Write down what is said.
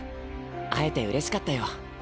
会えてうれしかったよ。